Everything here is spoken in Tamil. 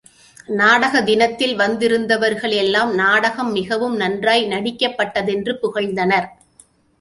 நாடகத் தினத்தில் வந்திருந்தவர்களெல்லாம் நாடகம் மிகவும் நன்றாய் நடிக்கப்பட்டதென்று புகழ்ந்தனர்.